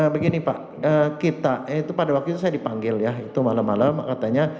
begini pak kita itu pada waktu itu saya dipanggil ya itu malam malam katanya